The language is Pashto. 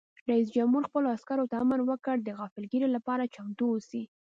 رئیس جمهور خپلو عسکرو ته امر وکړ؛ د غافلګیرۍ لپاره چمتو اوسئ!